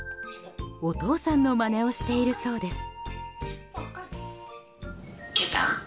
お父さんのまねをしているそうです。